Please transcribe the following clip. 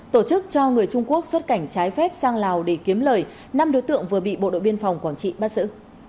tổ chức cho người trung quốc xuất cảnh trái phép sang lào để kiếm lời năm đối tượng vừa bị bộ đội biên phòng quảng trị bắt giữ